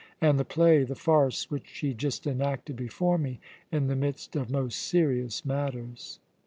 And the play, the farce which she just enacted before me in the midst of most serious matters!"